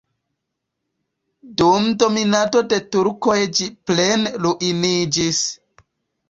Dum dominado de turkoj ĝi plene ruiniĝis.